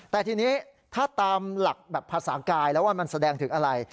แต่ทีนี้ถ้าตามหลักแบบภาษากายแล้วว่ามันแสดงถึงอะไร